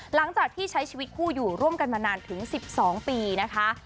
หลังจากที่ใช้ชีวิตคู่อยู่ร่วมกันมานานถึง๑๒ปีนะคะ